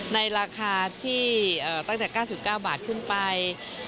ในราคาที่ตั้งแต่๙๙บาทขึ้นไป